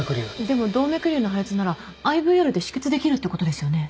でも動脈瘤の破裂ならＩＶＲで止血できるってことですよね？